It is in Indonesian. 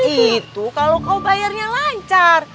itu kalau kau bayarnya lancar